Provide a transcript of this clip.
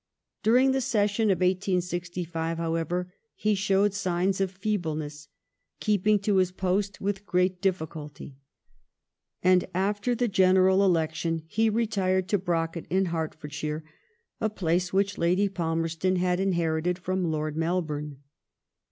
During the Session of 186^, however, he showed signs of feebleness, keeping to his post with great difficulty, and, after the General Election, he retired to Brocket, in Hertfordshire, a place which Lady Palmerston had inherited from Lord Melbourne.